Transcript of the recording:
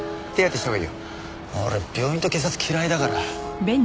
俺病院と警察嫌いだから。